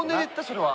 それは。